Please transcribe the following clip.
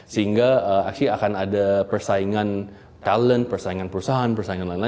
sehingga pasti akan ada persaingan talent persaingan perusahaan persaingan lain lain